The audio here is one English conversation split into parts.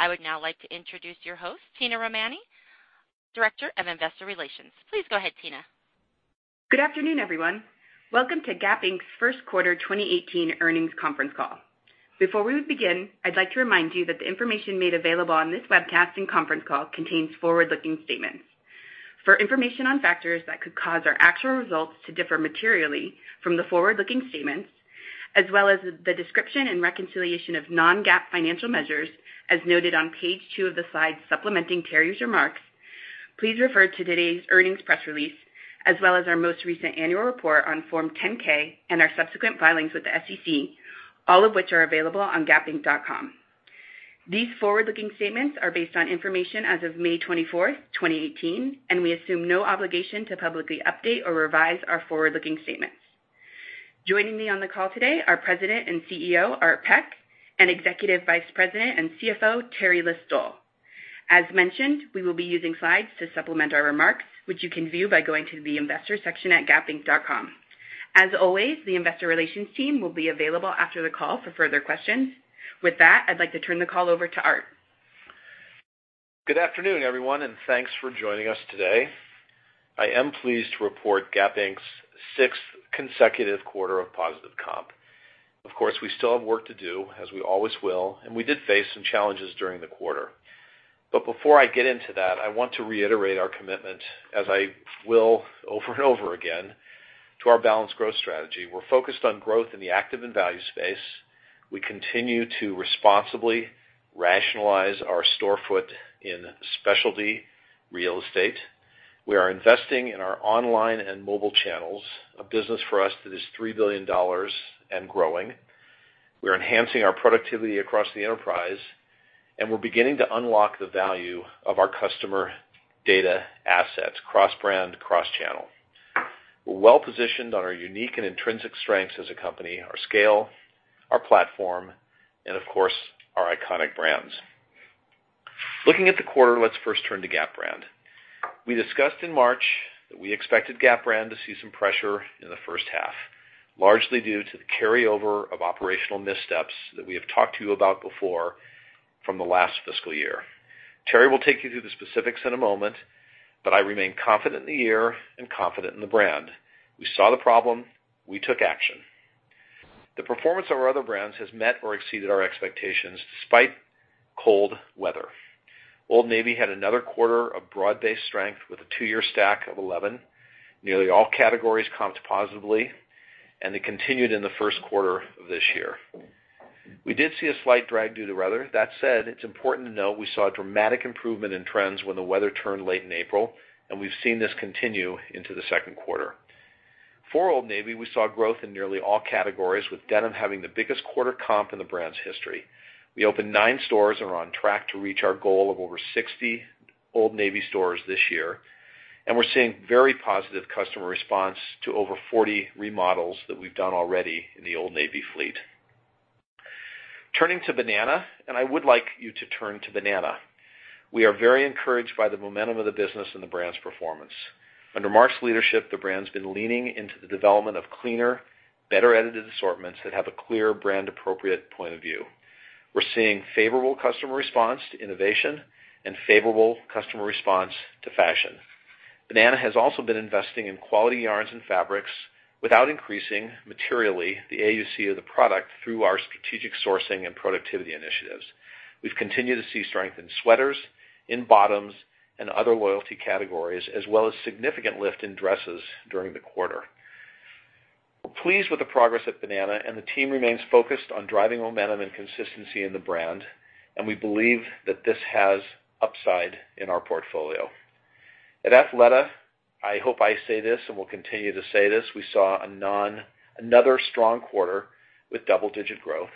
I would now like to introduce your host, Tina Romani, Director of Investor Relations. Please go ahead, Tina. Good afternoon, everyone. Welcome to Gap Inc.'s first quarter 2018 earnings conference call. Before we begin, I'd like to remind you that the information made available on this webcast and conference call contains forward-looking statements. For information on factors that could cause our actual results to differ materially from the forward-looking statements, as well as the description and reconciliation of non-GAAP financial measures, as noted on page two of the slides supplementing Teri's remarks, please refer to today's earnings press release, as well as our most recent annual report on Form 10-K and our subsequent filings with the SEC, all of which are available on gapinc.com. These forward-looking statements are based on information as of May 24th, 2018. We assume no obligation to publicly update or revise our forward-looking statements. Joining me on the call today are President and CEO, Art Peck, and Executive Vice President and CFO, Teri List-Stoll. As mentioned, we will be using slides to supplement our remarks, which you can view by going to the investor section at gapinc.com. As always, the investor relations team will be available after the call for further questions. With that, I'd like to turn the call over to Art. Good afternoon, everyone. Thanks for joining us today. I am pleased to report Gap Inc.'s sixth consecutive quarter of positive comp. Of course, we still have work to do, as we always will. We did face some challenges during the quarter. Before I get into that, I want to reiterate our commitment, as I will over and over again, to our balanced growth strategy. We're focused on growth in the active and value space. We continue to responsibly rationalize our store foot in specialty real estate. We are investing in our online and mobile channels, a business for us that is $3 billion and growing. We're enhancing our productivity across the enterprise. We're beginning to unlock the value of our customer data assets, cross-brand, cross-channel. We're well positioned on our unique and intrinsic strengths as a company, our scale, our platform, and of course, our iconic brands. Looking at the quarter, let's first turn to Gap brand. We discussed in March that we expected Gap brand to see some pressure in the first half, largely due to the carryover of operational missteps that we have talked to you about before from the last fiscal year. Teri will take you through the specifics in a moment, but I remain confident in the year and confident in the brand. We saw the problem. We took action. The performance of our other brands has met or exceeded our expectations, despite cold weather. Old Navy had another quarter of broad-based strength with a two-year stack of 11. Nearly all categories comped positively, and they continued in the first quarter of this year. We did see a slight drag due to weather. That said, it's important to note we saw a dramatic improvement in trends when the weather turned late in April, and we've seen this continue into the second quarter. For Old Navy, we saw growth in nearly all categories, with denim having the biggest quarter comp in the brand's history. We opened nine stores and are on track to reach our goal of over 60 Old Navy stores this year. We're seeing very positive customer response to over 40 remodels that we've done already in the Old Navy fleet. Turning to Banana, and I would like you to turn to Banana. We are very encouraged by the momentum of the business and the brand's performance. Under Mark's leadership, the brand's been leaning into the development of cleaner, better edited assortments that have a clear brand appropriate point of view. We're seeing favorable customer response to innovation and favorable customer response to fashion. Banana has also been investing in quality yarns and fabrics without increasing materially the AUC of the product through our strategic sourcing and productivity initiatives. We've continued to see strength in sweaters, in bottoms, and other loyalty categories, as well as significant lift in dresses during the quarter. We're pleased with the progress at Banana and the team remains focused on driving momentum and consistency in the brand. I believe that this has upside in our portfolio. At Athleta, I hope I say this and will continue to say this, we saw another strong quarter with double-digit growth.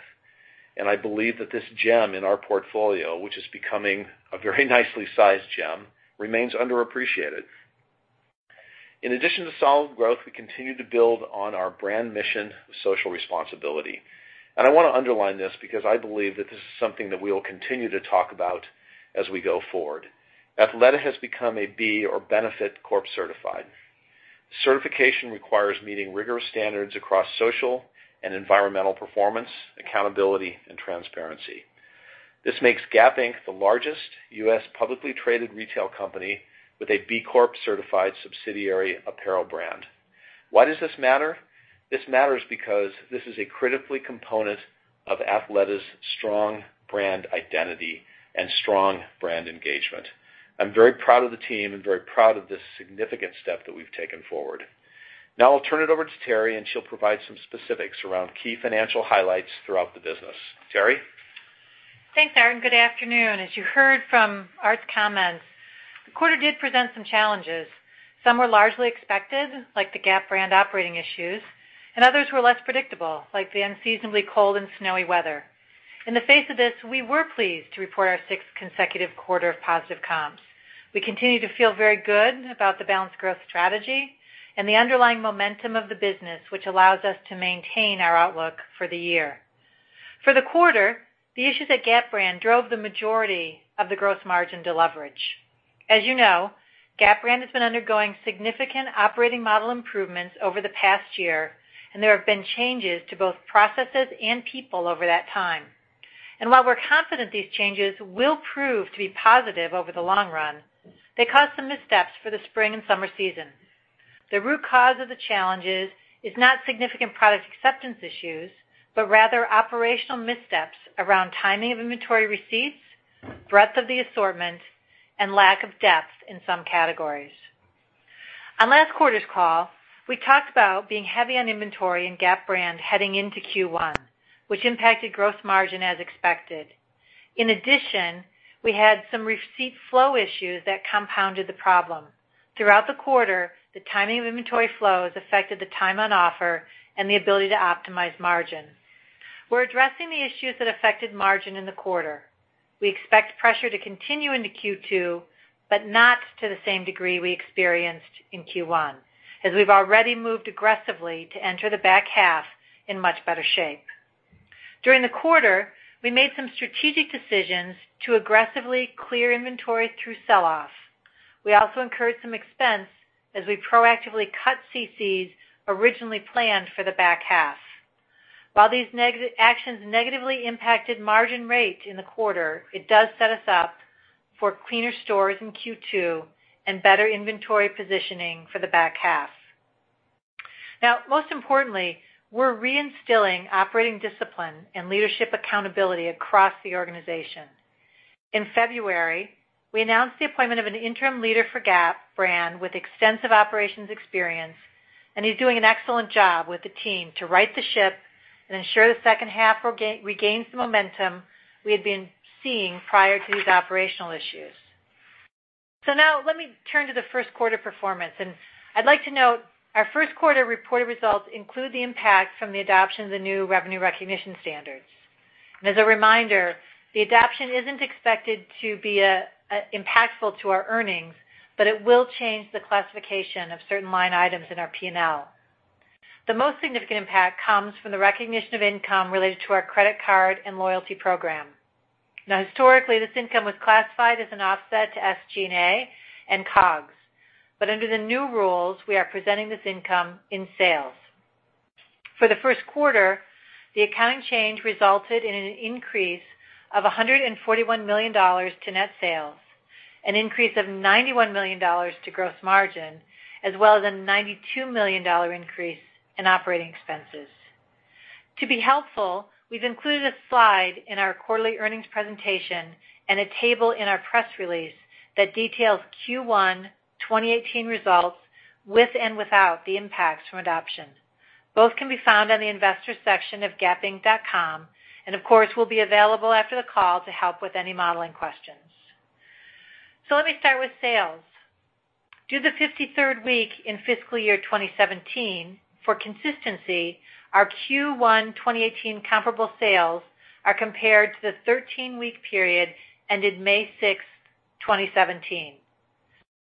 I believe that this gem in our portfolio, which is becoming a very nicely sized gem, remains underappreciated. In addition to solid growth, we continue to build on our brand mission of social responsibility. I want to underline this because I believe that this is something that we will continue to talk about as we go forward. Athleta has become a B or Benefit Corp certified. Certification requires meeting rigorous standards across social and environmental performance, accountability, and transparency. This makes Gap Inc. the largest U.S. publicly traded retail company with a B Corp certified subsidiary apparel brand. Why does this matter? This matters because this is a critical component of Athleta's strong brand identity and strong brand engagement. I'm very proud of the team and very proud of this significant step that we've taken forward. Now I'll turn it over to Teri. She'll provide some specifics around key financial highlights throughout the business. Teri? Thanks, Art, good afternoon. As you heard from Art's comments, the quarter did present some challenges. Some were largely expected, like the Gap brand operating issues, and others were less predictable, like the unseasonably cold and snowy weather. In the face of this, we were pleased to report our sixth consecutive quarter of positive comps. We continue to feel very good about the balanced growth strategy and the underlying momentum of the business, which allows us to maintain our outlook for the year. For the quarter, the issues at Gap brand drove the majority of the gross margin deleverage. As you know, Gap brand has been undergoing significant operating model improvements over the past year, and there have been changes to both processes and people over that time. While we're confident these changes will prove to be positive over the long run, they caused some missteps for the spring and summer season. The root cause of the challenges is not significant product acceptance issues, but rather operational missteps around timing of inventory receipts, breadth of the assortment, and lack of depth in some categories. On last quarter's call, we talked about being heavy on inventory and Gap brand heading into Q1, which impacted gross margin as expected. In addition, we had some receipt flow issues that compounded the problem. Throughout the quarter, the timing of inventory flows affected the time on offer and the ability to optimize margin. We're addressing the issues that affected margin in the quarter. We expect pressure to continue into Q2, but not to the same degree we experienced in Q1, as we've already moved aggressively to enter the back half in much better shape. During the quarter, we made some strategic decisions to aggressively clear inventory through sell-offs. We also incurred some expense as we proactively cut CCs originally planned for the back half. While these actions negatively impacted margin rate in the quarter, it does set us up for cleaner stores in Q2 and better inventory positioning for the back half. Most importantly, we're reinstilling operating discipline and leadership accountability across the organization. In February, we announced the appointment of an interim leader for Gap brand with extensive operations experience, and he's doing an excellent job with the team to right the ship and ensure the second half regains the momentum we had been seeing prior to these operational issues. Let me turn to the first quarter performance, and I'd like to note our first quarter reported results include the impact from the adoption of the new Revenue Recognition standards. As a reminder, the adoption isn't expected to be impactful to our earnings, but it will change the classification of certain line items in our P&L. Historically, this income was classified as an offset to SG&A and COGS. Under the new rules, we are presenting this income in sales. For the first quarter, the accounting change resulted in an increase of $141 million to net sales, an increase of $91 million to gross margin, as well as a $92 million increase in operating expenses. To be helpful, we've included a slide in our quarterly earnings presentation and a table in our press release that details Q1 2018 results with and without the impacts from adoption. Both can be found on the investors section of gapinc.com, and of course, we'll be available after the call to help with any modeling questions. Let me start with sales. Due to the 53rd week in fiscal year 2017, for consistency, our Q1 2018 comparable sales are compared to the 13-week period ended May 6th, 2017.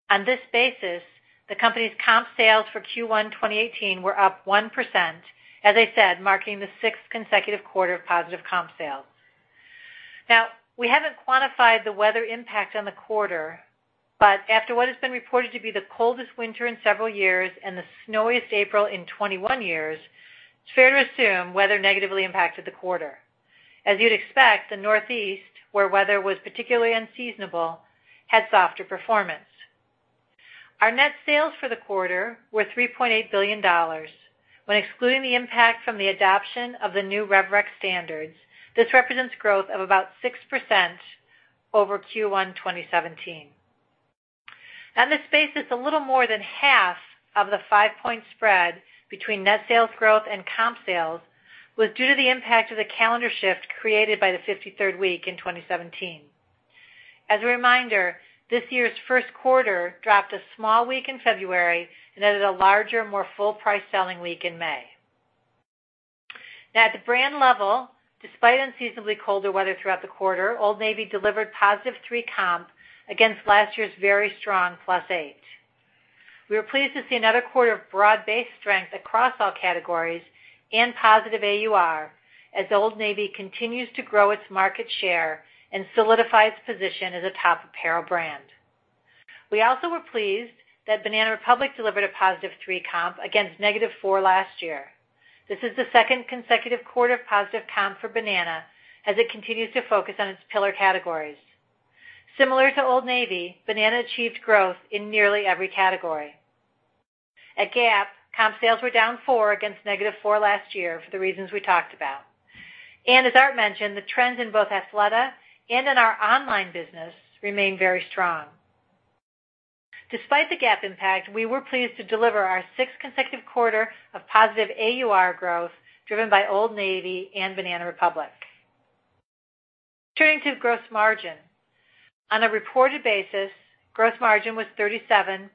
On this basis, the company's comp sales for Q1 2018 were up 1%, as I said, marking the sixth consecutive quarter of positive comp sales. We haven't quantified the weather impact on the quarter, but after what has been reported to be the coldest winter in several years and the snowiest April in 21 years, it's fair to assume weather negatively impacted the quarter. As you'd expect, the Northeast, where weather was particularly unseasonable, had softer performance. Our net sales for the quarter were $3.8 billion. When excluding the impact from the adoption of the new Revenue Recognition standards, this represents growth of about 6% over Q1 2017. On this basis, a little more than half of the five-point spread between net sales growth and comp sales was due to the impact of the calendar shift created by the 53rd week in 2017. As a reminder, this year's first quarter dropped a small week in February and added a larger, more full-price selling week in May. At the brand level, despite unseasonably colder weather throughout the quarter, Old Navy delivered positive three comp against last year's very strong +8. We were pleased to see another quarter of broad-based strength across all categories and positive AUR as Old Navy continues to grow its market share and solidify its position as a top apparel brand. We also were pleased that Banana Republic delivered a positive three comp against -4 last year. This is the second consecutive quarter of positive comp for Banana as it continues to focus on its pillar categories. Similar to Old Navy, Banana achieved growth in nearly every category. At Gap, comp sales were down four against -4 last year for the reasons we talked about. As Art mentioned, the trends in both Athleta and in our online business remain very strong. Despite the Gap impact, we were pleased to deliver our sixth consecutive quarter of positive AUR growth, driven by Old Navy and Banana Republic. Turning to gross margin. On a reported basis, gross margin was 37.7%.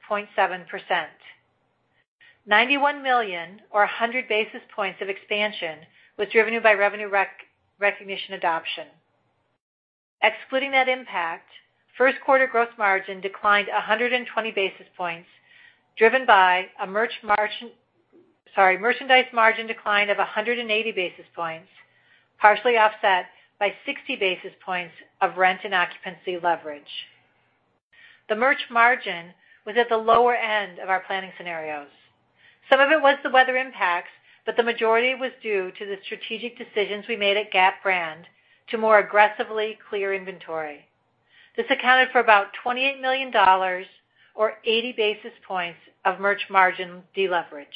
$91 million or 100 basis points of expansion was driven by Revenue Recognition adoption. Excluding that impact, first quarter gross margin declined 120 basis points, driven by a merch margin Sorry, merchandise margin decline of 180 basis points, partially offset by 60 basis points of rent and occupancy leverage. The merch margin was at the lower end of our planning scenarios. Some of it was the weather impacts, but the majority was due to the strategic decisions we made at Gap brand to more aggressively clear inventory. This accounted for about $28 million or 80 basis points of merch margin deleverage.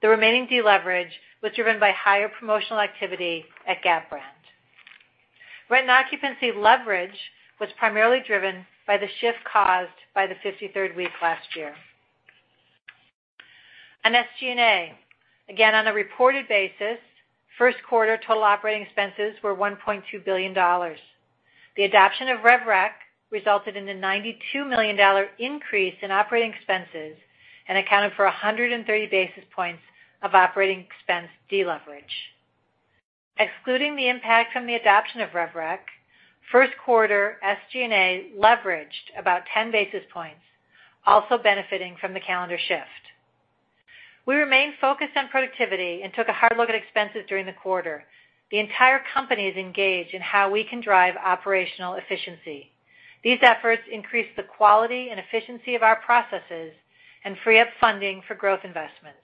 The remaining deleverage was driven by higher promotional activity at Gap brand. Rent and occupancy leverage was primarily driven by the shift caused by the 53rd week last year. On SG&A, again, on a reported basis, first quarter total operating expenses were $1.2 billion. The adoption of Revenue Recognition resulted in a $92 million increase in operating expenses and accounted for 130 basis points of operating expense deleverage. Excluding the impact from the adoption of Revenue Recognition, first quarter SG&A leveraged about 10 basis points, also benefiting from the calendar shift. We remain focused on productivity and took a hard look at expenses during the quarter. The entire company is engaged in how we can drive operational efficiency. These efforts increase the quality and efficiency of our processes and free up funding for growth investments.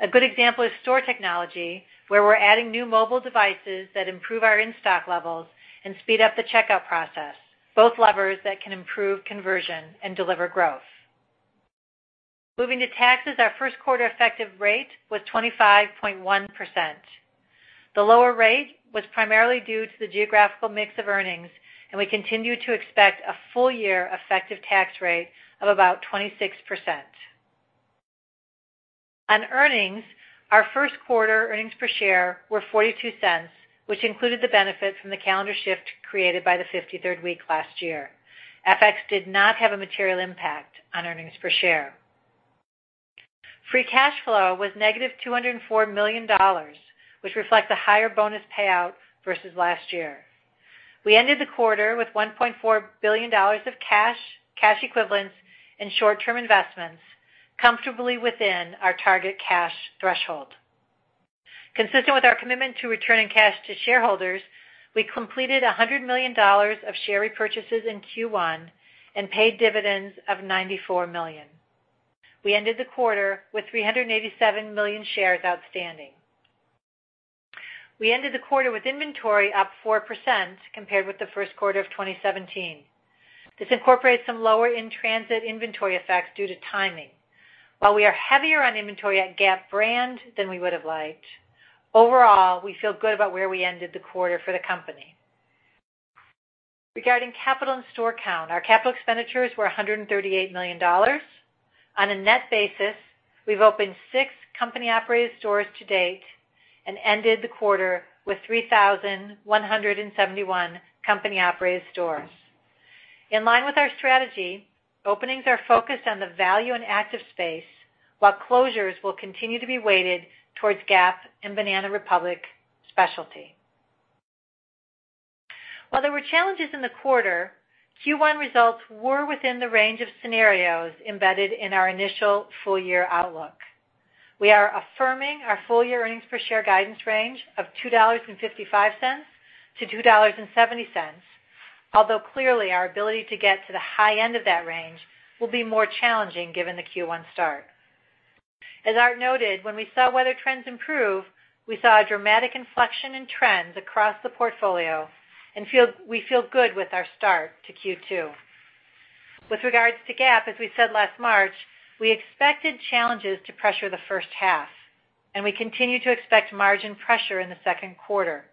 A good example is store technology, where we're adding new mobile devices that improve our in-stock levels and speed up the checkout process, both levers that can improve conversion and deliver growth. Moving to taxes, our first quarter effective rate was 25.1%. The lower rate was primarily due to the geographical mix of earnings, and we continue to expect a full year effective tax rate of about 26%. On earnings, our first quarter earnings per share were $0.42, which included the benefit from the calendar shift created by the 53rd week last year. FX did not have a material impact on earnings per share. Free cash flow was negative $204 million, which reflects a higher bonus payout versus last year. We ended the quarter with $1.4 billion of cash equivalents, and short-term investments, comfortably within our target cash threshold. Consistent with our commitment to returning cash to shareholders, we completed $100 million of share repurchases in Q1 and paid dividends of $94 million. We ended the quarter with 387 million shares outstanding. We ended the quarter with inventory up 4% compared with the first quarter of 2017. This incorporates some lower in-transit inventory effects due to timing. While we are heavier on inventory at Gap than we would have liked, overall, we feel good about where we ended the quarter for the company. Regarding capital and store count, our capital expenditures were $138 million. On a net basis, we've opened six company-operated stores to date and ended the quarter with 3,171 company-operated stores. In line with our strategy, openings are focused on the value and active space, while closures will continue to be weighted towards Gap and Banana Republic specialty. While there were challenges in the quarter, Q1 results were within the range of scenarios embedded in our initial full year outlook. We are affirming our full year earnings per share guidance range of $2.55-$2.70, although clearly our ability to get to the high end of that range will be more challenging given the Q1 start. As Art noted, when we saw weather trends improve, we saw a dramatic inflection in trends across the portfolio and we feel good with our start to Q2. With regards to Gap, as we said last March, we expected challenges to pressure the first half, and we continue to expect margin pressure in the second quarter,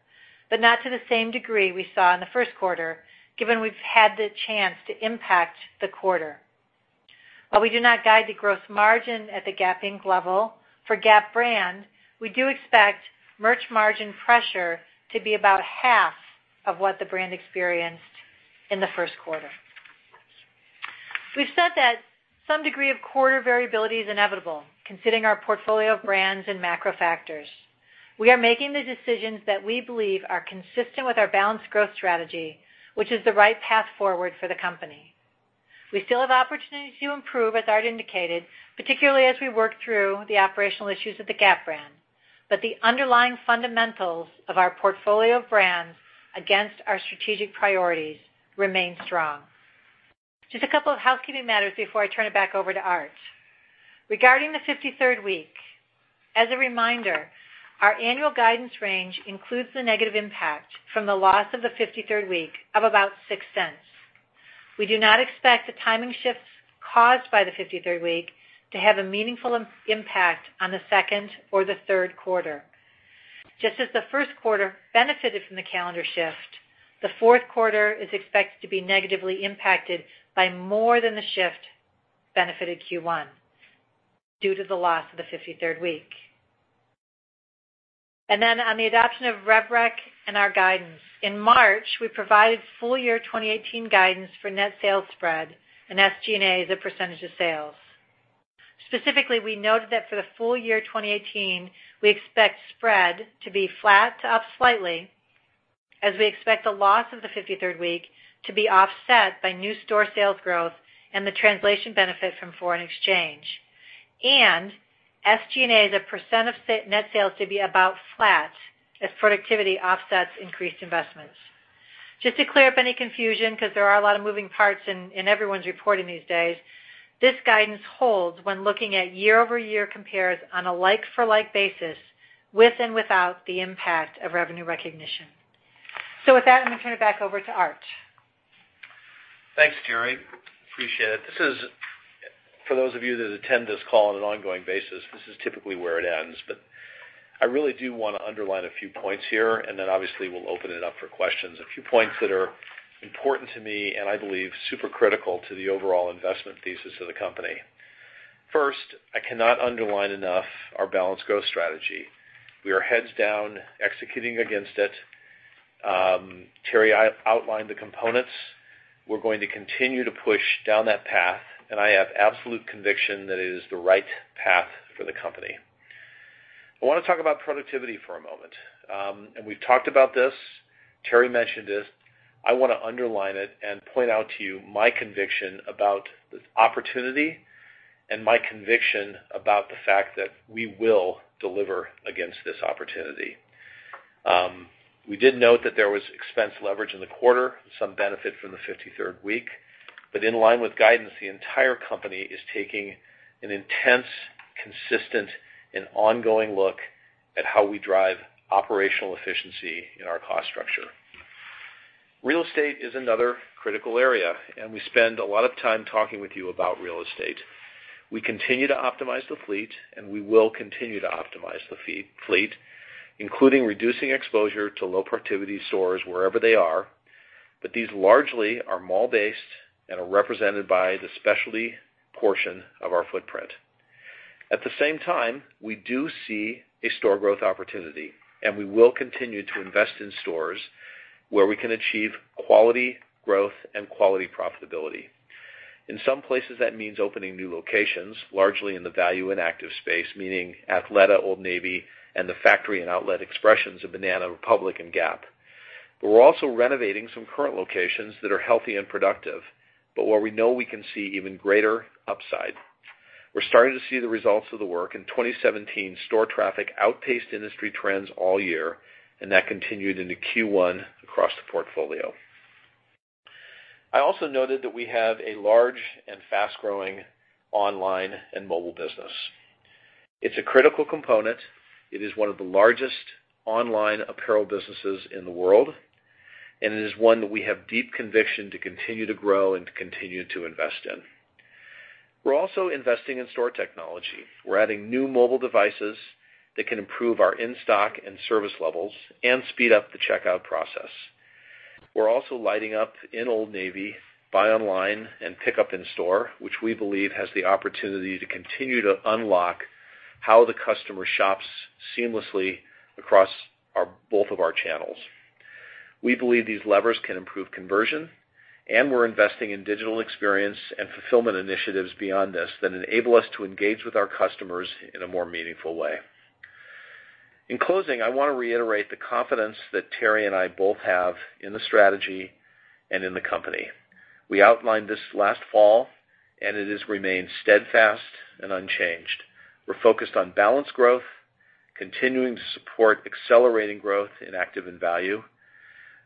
but not to the same degree we saw in the first quarter, given we've had the chance to impact the quarter. While we do not guide the gross margin at the Gap Inc. level, for Gap brand, we do expect merch margin pressure to be about half of what the brand experienced in the first quarter. We've said that some degree of quarter variability is inevitable, considering our portfolio of brands and macro factors. We are making the decisions that we believe are consistent with our balanced growth strategy, which is the right path forward for the company. The underlying fundamentals of our portfolio of brands against our strategic priorities remain strong. A couple of housekeeping matters before I turn it back over to Art. Regarding the 53rd week, as a reminder, our annual guidance range includes the negative impact from the loss of the 53rd week of about $0.06. We do not expect the timing shifts caused by the 53rd week to have a meaningful impact on the second or the third quarter. As the first quarter benefited from the calendar shift, the fourth quarter is expected to be negatively impacted by more than the shift benefited Q1 due to the loss of the 53rd week. On the adoption of Revenue Recognition and our guidance. In March, we provided full year 2018 guidance for net sales spread and SG&A as a % of sales. Specifically, we noted that for the full year 2018, we expect spread to be flat to up slightly. As we expect the loss of the 53rd week to be offset by new store sales growth and the translation benefit from foreign exchange. SG&A as a % of net sales to be about flat as productivity offsets increased investments. To clear up any confusion, because there are a lot of moving parts in everyone's reporting these days, this guidance holds when looking at year-over-year compares on a like-for-like basis with and without the impact of Revenue Recognition. With that, I'm going to turn it back over to Art. Thanks, Teri. Appreciate it. For those of you that attend this call on an ongoing basis, this is typically where it ends. I really do want to underline a few points here, and then obviously we'll open it up for questions. A few points that are important to me, and I believe super critical to the overall investment thesis of the company. First, I cannot underline enough our balanced growth strategy. We are heads down executing against it. Teri outlined the components. We're going to continue to push down that path, and I have absolute conviction that it is the right path for the company. I want to talk about productivity for a moment. We've talked about this. Teri mentioned this. I want to underline it and point out to you my conviction about the opportunity and my conviction about the fact that we will deliver against this opportunity. We did note that there was expense leverage in the quarter, some benefit from the 53rd week. In line with guidance, the entire company is taking an intense, consistent, and ongoing look at how we drive operational efficiency in our cost structure. Real estate is another critical area, and we spend a lot of time talking with you about real estate. We continue to optimize the fleet, and we will continue to optimize the fleet, including reducing exposure to low productivity stores wherever they are. These largely are mall-based and are represented by the specialty portion of our footprint. At the same time, we do see a store growth opportunity, and we will continue to invest in stores where we can achieve quality growth and quality profitability. In some places, that means opening new locations, largely in the value and active space, meaning Athleta, Old Navy, and the factory and outlet expressions of Banana Republic and Gap. We're also renovating some current locations that are healthy and productive, but where we know we can see even greater upside. We're starting to see the results of the work. In 2017, store traffic outpaced industry trends all year, and that continued into Q1 across the portfolio. I also noted that we have a large and fast-growing online and mobile business. It's a critical component. It is one of the largest online apparel businesses in the world, it is one that we have deep conviction to continue to grow and to continue to invest in. We're also investing in store technology. We're adding new mobile devices that can improve our in-stock and service levels and speed up the checkout process. We're also lighting up in Old Navy, buy online, and pick up in store, which we believe has the opportunity to continue to unlock how the customer shops seamlessly across both of our channels. We believe these levers can improve conversion, we're investing in digital experience and fulfillment initiatives beyond this that enable us to engage with our customers in a more meaningful way. In closing, I want to reiterate the confidence that Teri and I both have in the strategy and in the company. We outlined this last fall, it has remained steadfast and unchanged. We're focused on balanced growth, continuing to support accelerating growth in active and value,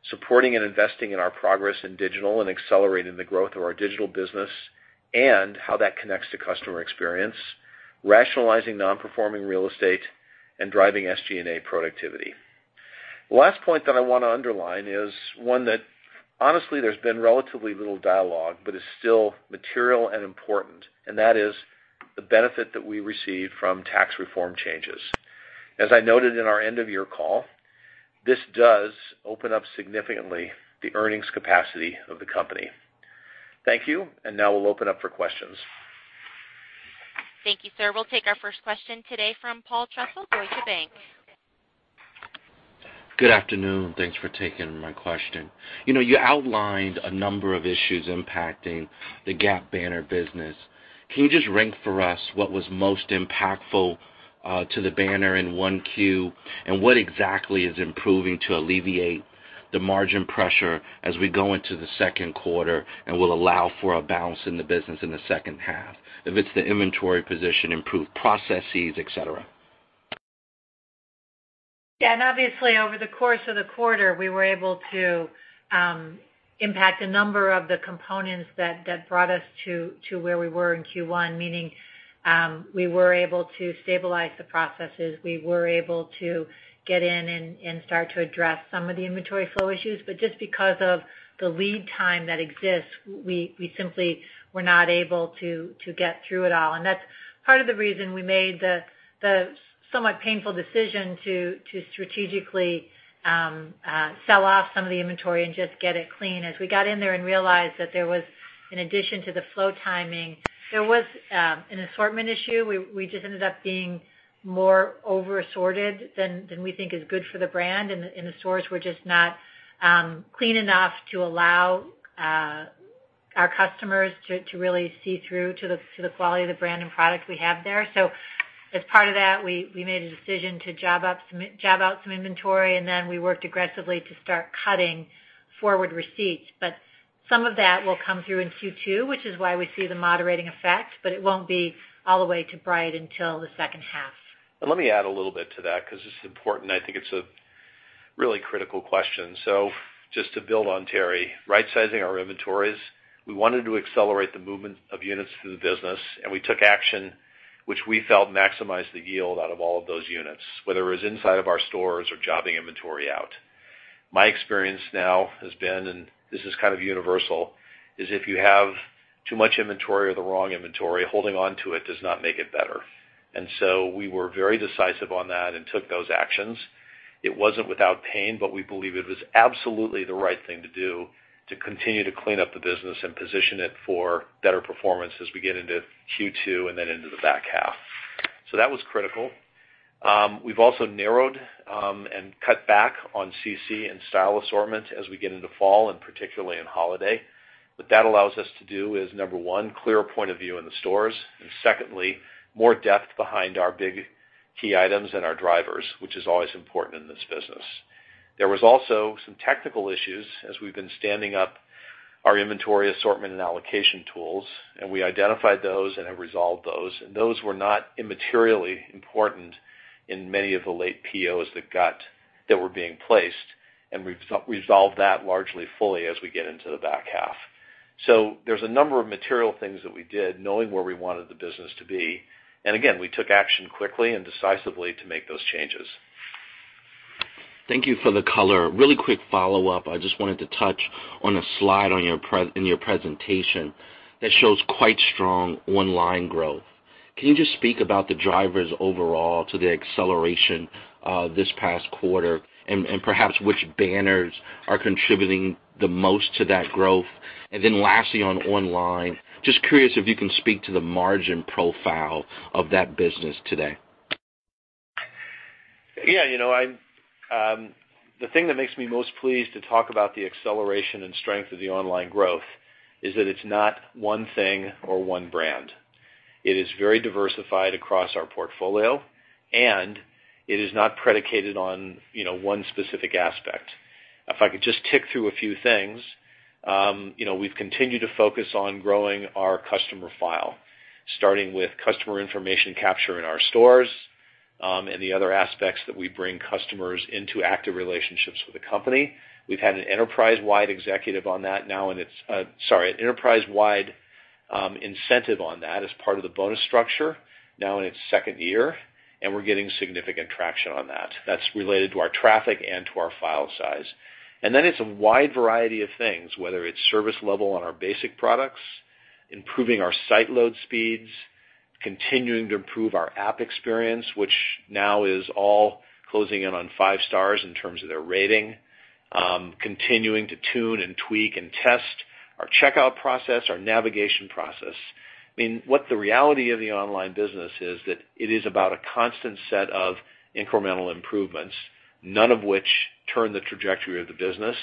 supporting and investing in our progress in digital and accelerating the growth of our digital business and how that connects to customer experience, rationalizing non-performing real estate, and driving SG&A productivity. The last point that I want to underline is one that honestly, there's been relatively little dialogue, is still material and important, that is the benefit that we receive from tax reform changes. As I noted in our end of year call, this does open up significantly the earnings capacity of the company. Thank you, now we'll open up for questions. Thank you, sir. We'll take our first question today from Paul Trussell, Deutsche Bank. Good afternoon. Thanks for taking my question. You outlined a number of issues impacting the Gap banner business. Can you just rank for us what was most impactful to the banner in 1Q, and what exactly is improving to alleviate the margin pressure as we go into the second quarter and will allow for a balance in the business in the second half? If it's the inventory position, improved processes, et cetera. Yeah, obviously over the course of the quarter, we were able to impact a number of the components that brought us to where we were in Q1, meaning we were able to stabilize the processes. We were able to get in and start to address some of the inventory flow issues. Just because of the lead time that exists, we simply were not able to get through it all. That's part of the reason we made the somewhat painful decision to strategically sell off some of the inventory and just get it clean. As we got in there and realized that there was, in addition to the flow timing, there was an assortment issue. We just ended up being more over assorted than we think is good for the brand, and the stores were just not clean enough to allow our customers to really see through to the quality of the brand and product we have there. As part of that, we made a decision to job out some inventory, and then we worked aggressively to start cutting forward receipts. Some of that will come through in Q2, which is why we see the moderating effect, but it won't be all the way to bright until the second half. Let me add a little bit to that, because it's important, I think it's a really critical question. Just to build on Teri, right-sizing our inventories, we wanted to accelerate the movement of units through the business, and we took action, which we felt maximized the yield out of all of those units, whether it was inside of our stores or jobbing inventory out. My experience now has been, and this is kind of universal, is if you have too much inventory or the wrong inventory, holding on to it does not make it better. We were very decisive on that and took those actions. It wasn't without pain, but we believe it was absolutely the right thing to do to continue to clean up the business and position it for better performance as we get into Q2 and then into the back half. That was critical. We've also narrowed, and cut back on CC and style assortment as we get into fall and particularly in holiday. What that allows us to do is, number 1, clear point of view in the stores, and secondly, more depth behind our big key items and our drivers, which is always important in this business. There was also some technical issues as we've been standing up our inventory assortment and allocation tools, and we identified those and have resolved those. Those were not immaterially important in many of the late POs that were being placed, and we've resolved that largely fully as we get into the back half. There's a number of material things that we did, knowing where we wanted the business to be. Again, we took action quickly and decisively to make those changes. Thank you for the color. Really quick follow-up. I just wanted to touch on a slide in your presentation that shows quite strong online growth. Can you just speak about the drivers overall to the acceleration, this past quarter and perhaps which banners are contributing the most to that growth? Then lastly, on online, just curious if you can speak to the margin profile of that business today. The thing that makes me most pleased to talk about the acceleration and strength of the online growth is that it's not one thing or one brand. It is very diversified across our portfolio, and it is not predicated on one specific aspect. If I could just tick through a few things. We've continued to focus on growing our customer file, starting with customer information capture in our stores, and the other aspects that we bring customers into active relationships with the company. We've had an enterprise-wide incentive on that as part of the bonus structure now in its second year, and we're getting significant traction on that. That's related to our traffic and to our file size. It's a wide variety of things, whether it's service level on our basic products, improving our site load speeds, continuing to improve our app experience, which now is all closing in on 5 stars in terms of their rating. Continuing to tune and tweak and test our checkout process, our navigation process. The reality of the online business is that it is about a constant set of incremental improvements, none of which turn the trajectory of the business,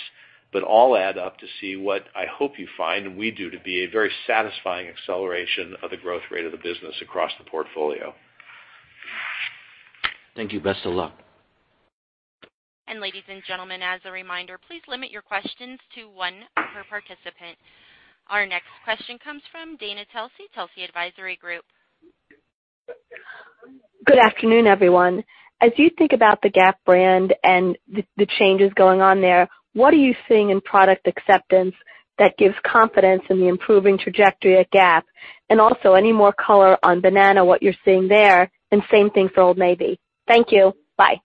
but all add up to see what I hope you find, and we do, to be a very satisfying acceleration of the growth rate of the business across the portfolio. Thank you. Best of luck. Ladies and gentlemen, as a reminder, please limit your questions to 1 per participant. Our next question comes from Telsey Advisory Group. Good afternoon, everyone. As you think about the Gap brand and the changes going on there, what are you seeing in product acceptance that gives confidence in the improving trajectory at Gap? Also, any more color on Banana, what you're seeing there, and same thing for Old Navy. Thank you. Bye.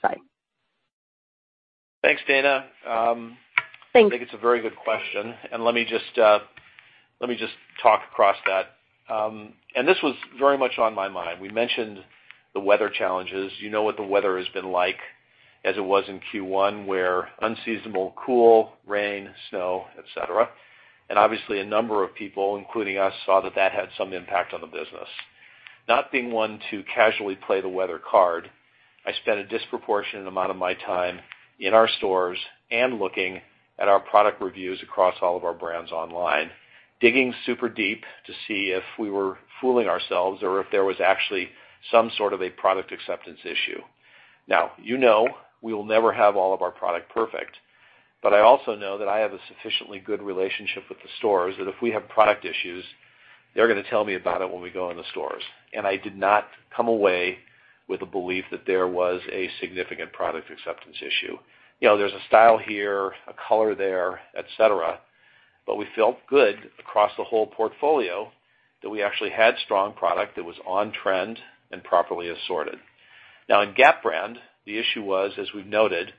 Sorry. Thanks, Dana. Thanks. I think it's a very good question, let me just talk across that. This was very much on my mind. We mentioned the weather challenges. You know what the weather has been like as it was in Q1, where unseasonable cool, rain, snow, et cetera. Obviously, a number of people, including us, saw that that had some impact on the business. Not being one to casually play the weather card, I spent a disproportionate amount of my time in our stores and looking at our product reviews across all of our brands online, digging super deep to see if we were fooling ourselves or if there was actually some sort of a product acceptance issue. Now, you know we will never have all of our product perfect, but I also know that I have a sufficiently good relationship with the stores, that if we have product issues, they're going to tell me about it when we go in the stores. I did not come away with a belief that there was a significant product acceptance issue. There's a style here, a color there, et cetera, but we felt good across the whole portfolio that we actually had strong product that was on-trend and properly assorted. Now, in Gap brand, the issue was, as we've noted,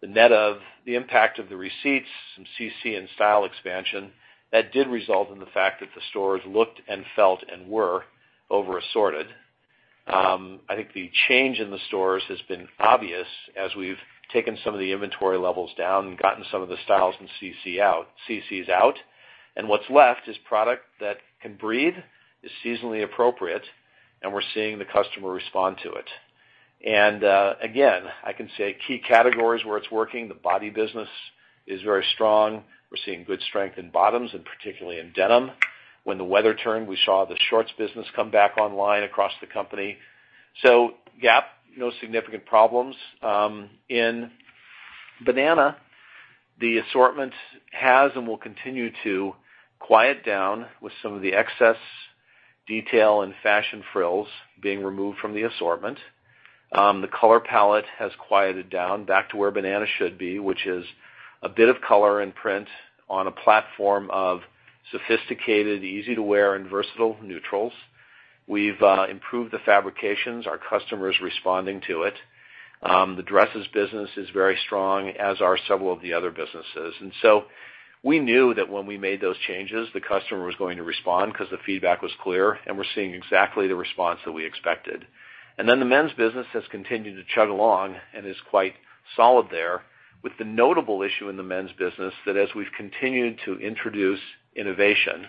the net of the impact of the receipts from CC and style expansion. That did result in the fact that the stores looked and felt and were over assorted. I think the change in the stores has been obvious as we've taken some of the inventory levels down and gotten some of the styles and CCs out. What's left is product that can breathe, is seasonally appropriate, and we're seeing the customer respond to it. Again, I can say key categories where it's working, the body business is very strong. We're seeing good strength in bottoms and particularly in denim. When the weather turned, we saw the shorts business come back online across the company. Gap, no significant problems. In Banana, the assortment has and will continue to quiet down with some of the excess detail and fashion frills being removed from the assortment. The color palette has quieted down back to where Banana should be, which is a bit of color and print on a platform of sophisticated, easy-to-wear, and versatile neutrals. We've improved the fabrications. Our customer is responding to it. The dresses business is very strong, as are several of the other businesses. So we knew that when we made those changes, the customer was going to respond because the feedback was clear, and we're seeing exactly the response that we expected. Then the men's business has continued to chug along and is quite solid there with the notable issue in the men's business that as we've continued to introduce innovation,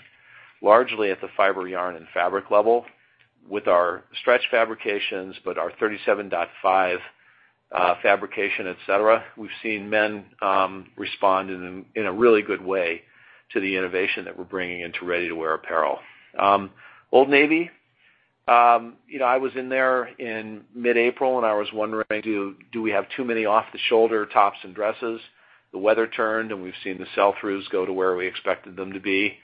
largely at the fiber yarn and fabric level with our stretch fabrications, but our 37.5 fabrication, et cetera, we've seen men respond in a really good way to the innovation that we're bringing into ready-to-wear apparel. Old Navy. I was in there in mid-April, and I was wondering, do we have too many off-the-shoulder tops and dresses? The weather turned, and we've seen the sell-throughs go to where we expected them to be.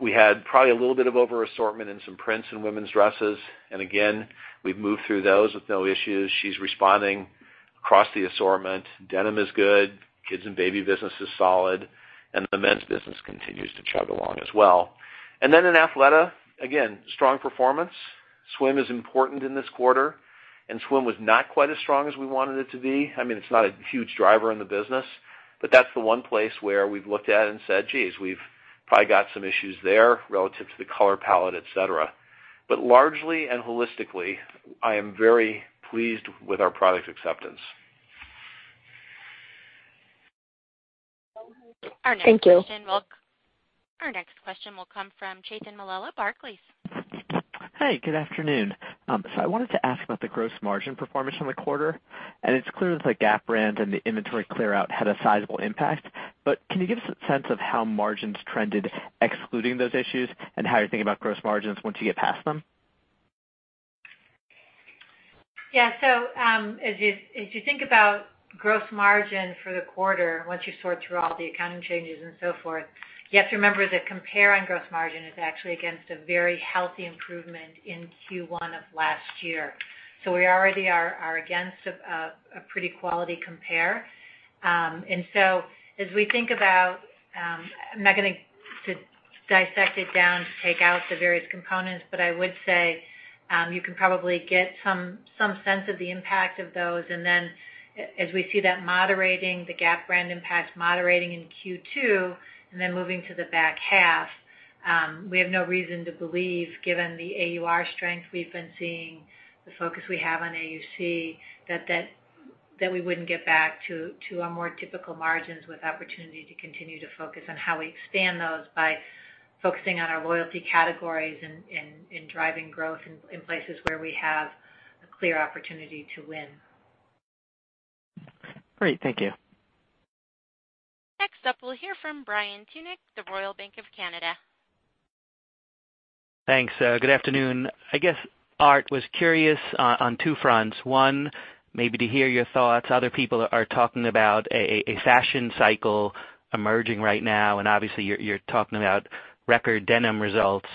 We had probably a little bit of over-assortment in some prints in women's dresses. Again, we've moved through those with no issues. She's responding across the assortment. Denim is good. Kids and baby business is solid. The men's business continues to chug along as well. Then in Athleta, again, strong performance. Swim is important in this quarter, and swim was not quite as strong as we wanted it to be. I mean, it's not a huge driver in the business, but that's the one place where we've looked at and said, "Geez, we've probably got some issues there relative to the color palette, et cetera." Largely and holistically, I am very pleased with our product acceptance. Thank you. Our next question will come from Chethan Mallela, Barclays. Good afternoon. I wanted to ask about the gross margin performance from the quarter, and it's clear that the Gap brand and the inventory clear out had a sizable impact. Can you give us a sense of how margins trended excluding those issues and how you're thinking about gross margins once you get past them? Yeah. As you think about gross margin for the quarter, once you sort through all the accounting changes and so forth, you have to remember that compare on gross margin is actually against a very healthy improvement in Q1 of last year. We already are against a pretty quality compare. I'm not going to dissect it down to take out the various components, but I would say, you can probably get some sense of the impact of those. As we see that moderating, the Gap brand impact moderating in Q2, then moving to the back half, we have no reason to believe, given the AUR strength we've been seeing, the focus we have on AUC, that we wouldn't get back to our more typical margins with opportunity to continue to focus on how we expand those by focusing on our loyalty categories and driving growth in places where we have a clear opportunity to win. Great. Thank you. Next up, we'll hear from Brian Tunick, Royal Bank of Canada. Thanks. Good afternoon. I guess, Art, was curious on two fronts. One, maybe to hear your thoughts. Other people are talking about a fashion cycle emerging right now, obviously, you're talking about record denim results.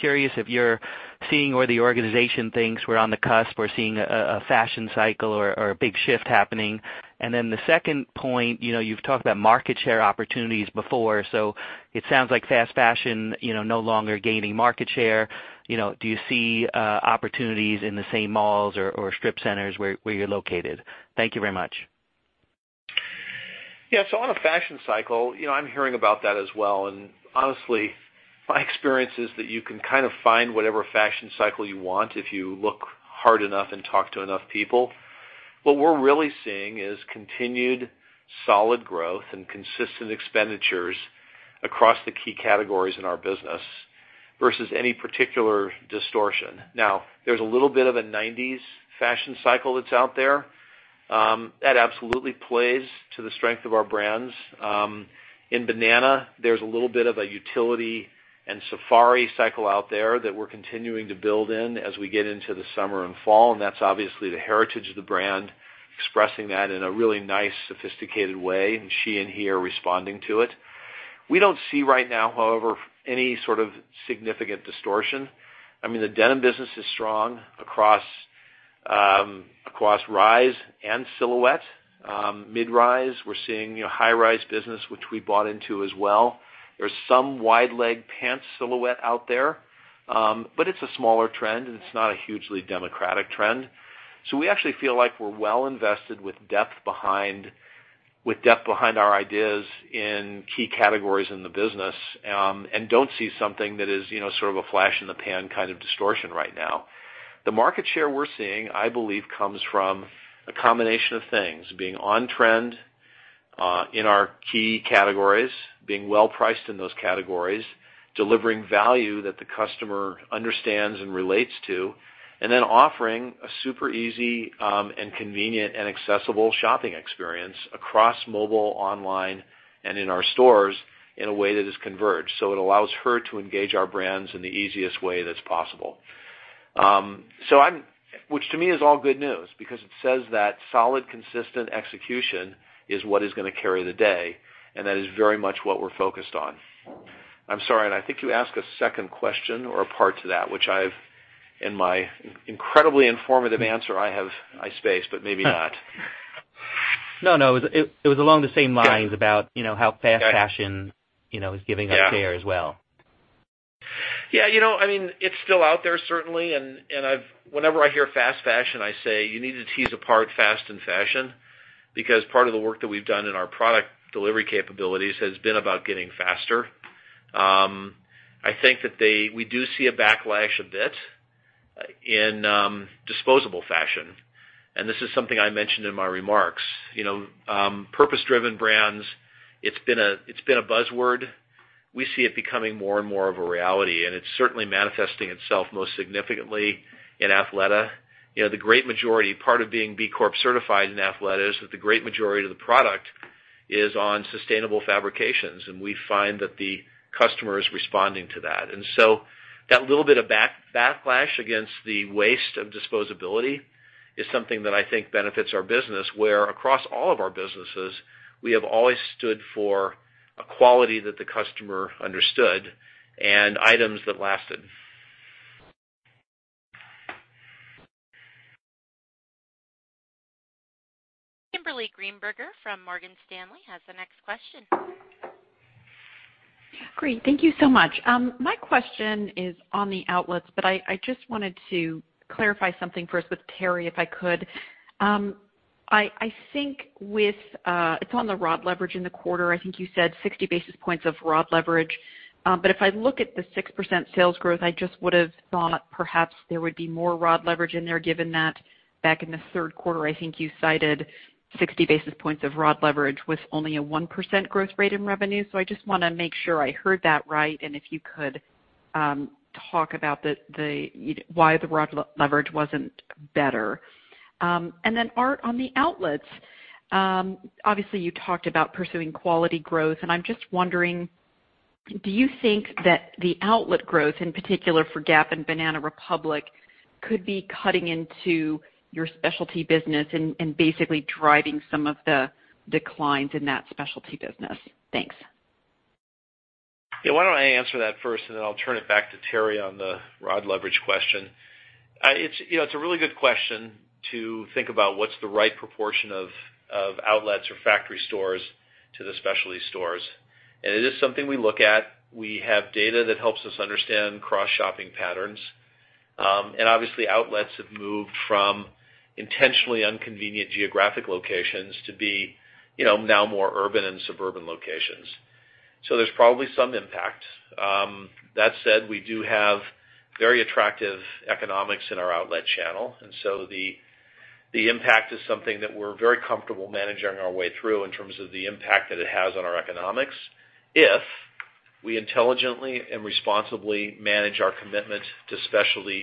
Curious if you're seeing or the organization thinks we're on the cusp or seeing a fashion cycle or a big shift happening. Then the second point, you've talked about market share opportunities before, it sounds like fast fashion no longer gaining market share. Do you see opportunities in the same malls or strip centers where you're located? Thank you very much. Yeah. On a fashion cycle, I'm hearing about that as well. Honestly, my experience is that you can kind of find whatever fashion cycle you want if you look hard enough and talk to enough people. What we're really seeing is continued solid growth and consistent expenditures across the key categories in our business versus any particular distortion. Now, there's a little bit of a 90s fashion cycle that's out there. That absolutely plays to the strength of our brands. In Banana, there's a little bit of a utility and safari cycle out there that we're continuing to build in as we get into the summer and fall, that's obviously the heritage of the brand, expressing that in a really nice, sophisticated way, and she and he are responding to it. We don't see right now, however, any sort of significant distortion. I mean, the denim business is strong across rise and silhouette. Mid-rise, we're seeing high-rise business, which we bought into as well. There's some wide-leg pant silhouette out there, but it's a smaller trend, it's not a hugely democratic trend. We actually feel like we're well invested with depth behind our ideas in key categories in the business, don't see something that is sort of a flash in the pan kind of distortion right now. The market share we're seeing, I believe, comes from a combination of things, being on trend in our key categories, being well-priced in those categories, delivering value that the customer understands and relates to, then offering a super easy and convenient and accessible shopping experience across mobile, online, and in our stores in a way that is converged. It allows her to engage our brands in the easiest way that's possible. Which to me is all good news, because it says that solid, consistent execution is what is going to carry the day, and that is very much what we're focused on. I'm sorry, I think you asked a second question or a part to that, which I've, in my incredibly informative answer, I spaced, but maybe not. No, it was along the same lines about how fast fashion is giving up there as well. Yeah. It's still out there, certainly, whenever I hear fast fashion, I say you need to tease apart fast and fashion, because part of the work that we've done in our product delivery capabilities has been about getting faster. I think that we do see a backlash a bit in disposable fashion, this is something I mentioned in my remarks. Purpose-driven brands, it's been a buzzword. We see it becoming more and more of a reality, it's certainly manifesting itself most significantly in Athleta. Part of being B Corp certified in Athleta is that the great majority of the product is on sustainable fabrications, we find that the customer is responding to that. That little bit of backlash against the waste of disposability is something that I think benefits our business, where across all of our businesses, we have always stood for a quality that the customer understood and items that lasted. Kimberly Greenberger from Morgan Stanley has the next question. Great. Thank you so much. My question is on the outlets, I just wanted to clarify something first with Teri, if I could. It's on the ROD leverage in the quarter. I think you said 60 basis points of ROD leverage. If I look at the 6% sales growth, I just would've thought perhaps there would be more ROD leverage in there, given that back in the third quarter, I think you cited 60 basis points of ROD leverage with only a 1% growth rate in revenue. I just want to make sure I heard that right, and if you could talk about why the ROD leverage wasn't better. Art, on the outlets, obviously you talked about pursuing quality growth, I'm just wondering, do you think that the outlet growth, in particular for Gap and Banana Republic, could be cutting into your specialty business and basically driving some of the declines in that specialty business? Thanks. Yeah. Why don't I answer that first, I'll turn it back to Teri on the ROD leverage question. It's a really good question to think about what's the right proportion of outlets or factory stores to the specialty stores. It is something we look at. We have data that helps us understand cross-shopping patterns. Obviously, outlets have moved from intentionally inconvenient geographic locations to be now more urban and suburban locations. There's probably some impact. That said, we do have very attractive economics in our outlet channel, the impact is something that we're very comfortable managing our way through in terms of the impact that it has on our economics if we intelligently and responsibly manage our commitment to specialty